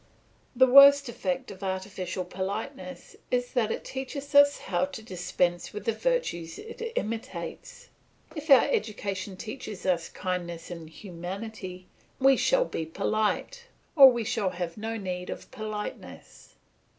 "The worst effect of artificial politeness is that it teaches us how to dispense with the virtues it imitates. If our education teaches us kindness and humanity, we shall be polite, or we shall have no need of politeness.